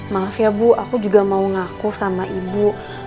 maaf ya bu aku juga mau ngaku sama ibu